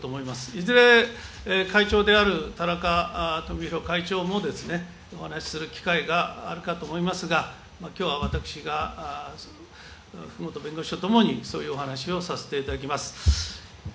いずれ会長である、田中富広会長もお話しする機会があるかと思いますが、きょうは私が福本弁護士と共に、そういうお話をさせていただきます。